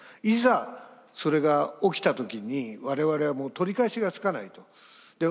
いざそれが起きた時に我々はもう取り返しがつかないと。